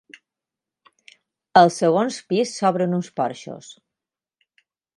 Al segons pis s'obren uns porxos.